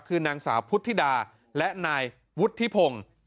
คือนางสาวพุทธิดาและนายวุฒิพงศ์